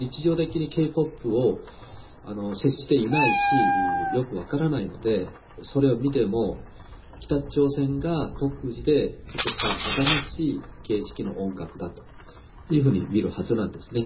一般の住民は、日常的にＫ−ＰＯＰを接していないし、よく分からないので、それを見ても、北朝鮮が独自で作った新しい形式の音楽だというふうに見るはずなんですね。